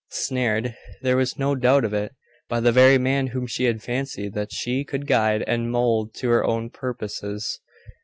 Snared there was no doubt of it by the very man whom she had fancied that she could guide and mould to her own purposes.